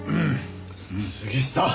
杉下！